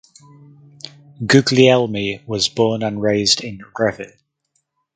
Guglielmi was born and raised in Revin.